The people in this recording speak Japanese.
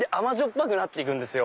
ぱくなって行くんですよ。